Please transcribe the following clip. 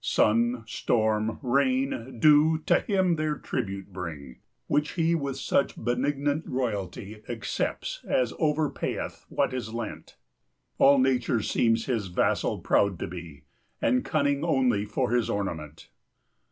Sun, storm, rain, dew, to him their tribute bring, Which he with such benignant royalty 5 Accepts, as overpayeth what is lent; All nature seems his vassal proud to be, And cunning only for his ornament.